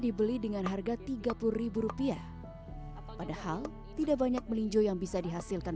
dibeli dengan harga tiga puluh rupiah padahal tidak banyak melinjo yang bisa dihasilkan